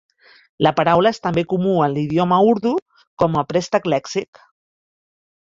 La paraula és també comú en l'idioma urdú com a préstec lèxic.